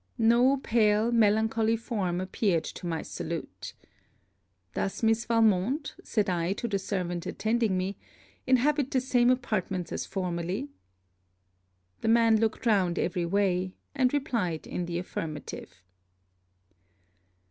No pale melancholy form appeared to my salute. 'Does Miss Valmont,' said I to the servant attending me, 'inhabit the same apartments as formerly?' The man looked round every way, and replied in the affirmative.